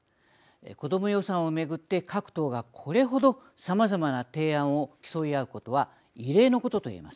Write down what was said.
こども予算を巡って各党がこれ程さまざまな提案を競い合うことは異例のことと言えます。